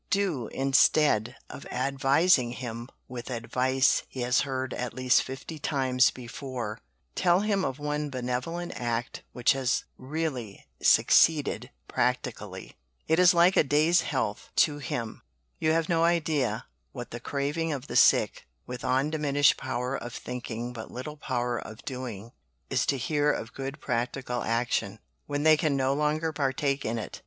Do, instead of advising him with advice he has heard at least fifty times before, tell him of one benevolent act which has really succeeded practically it is like a day's health to him. You have no idea what the craving of the sick, with undiminished power of thinking but little power of doing, is to hear of good practical action, when they can no longer partake in it."